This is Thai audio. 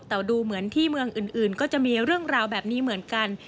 แต่ดูเหมือนที่เมืองอื่นก็จะมีเรื่องราวแบบนี้เหมือนกัน